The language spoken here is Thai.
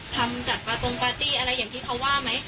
ทำจัดปาตรงปาร์ตี้อะไรอย่างที่เขาว่าไหม